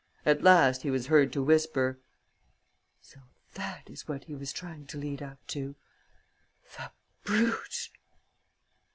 At last he was heard to whisper: "So that is what he was trying to lead up to!... The brute!..."